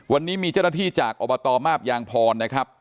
วันนี้มีเจ้าหน้าที่จากอบตมาบยางพรนะครับ